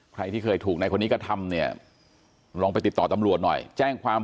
ใครที่เคยถูกในคนนี้กระทำเนี่ยลองไปติดต่อตำรวจหน่อยแจ้งความ